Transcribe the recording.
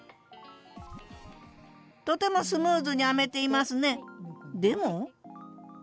とてもスムーズに編めていますね。